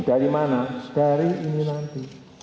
dari mana dari ini nanti